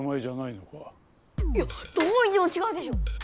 いやどう見てもちがうでしょ！